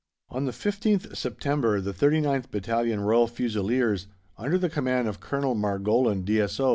On the 15th September the 39th Battalion Royal Fusiliers, under the command of Colonel Margolin, D.S.